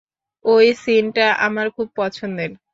ওই সিনটা আমার খুব পছন্দের।